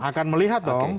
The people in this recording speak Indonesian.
akan melihat dong